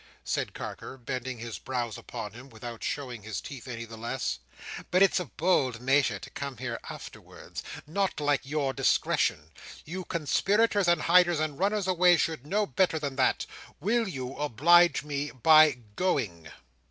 said Carker, bending his brows upon him, without showing his teeth any the less: "but it's a bold measure to come here afterwards. Not like your discretion! You conspirators, and hiders, and runners away, should know better than that. Will you oblige me by going?"